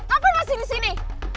apa lo masih di sini